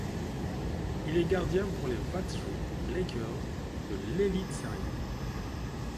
Il est gardien pour les Växjö Lakers de l'Elitserien.